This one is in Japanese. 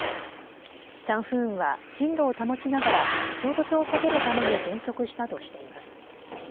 チャンフーンは針路を保ちながら衝突を避けるために減速したとしています。